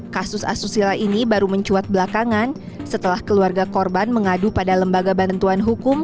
kasus asusila ini baru mencuat belakangan setelah keluarga korban mengadu pada lembaga bantuan hukum